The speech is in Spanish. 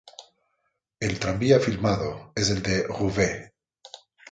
El tranvía filmado es el de Roubaix.